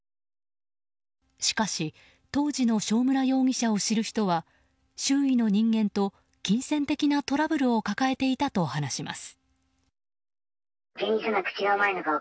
しかし当時の正村容疑者を知る人は周囲の人間と金銭的なトラブルを抱えていたと話します。